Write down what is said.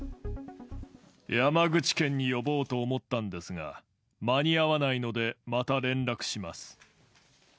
山口県に呼ぼうと思ったんですが、間に合わないのでまた連絡します。